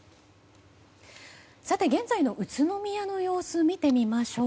現在の宇都宮の様子を見てみましょう。